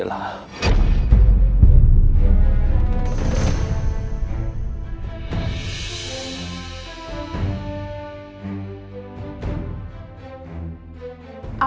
terima kasih sayang